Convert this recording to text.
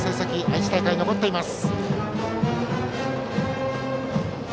愛知大会で残しています。